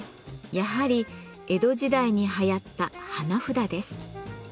やはり江戸時代にはやった花札です。